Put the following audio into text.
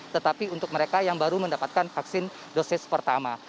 tetapi untuk mereka yang baru mendapatkan vaksin dosis pertama